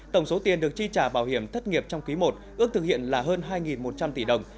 tổng số tiền được chi trả bảo hiểm thất nghiệp trong ký một ước thực hiện là hơn hai một trăm linh tỷ đồng